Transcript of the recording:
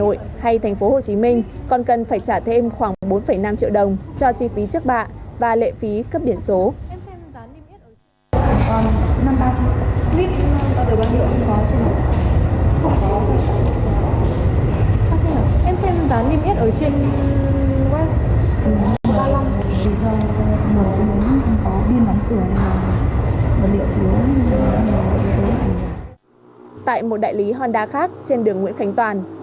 tại một đại lý honda khác trên đường nguyễn khánh toàn